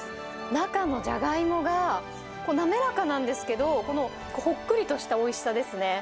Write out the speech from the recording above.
中のじゃがいもが滑らかなんですけど、ほっくりとしたおいしさですね。